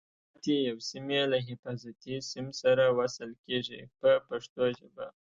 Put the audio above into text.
پاتې یو سیم یې له حفاظتي سیم سره وصل کېږي په پښتو ژبه.